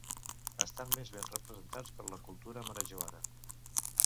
Estan més ben representats per la cultura marajoara.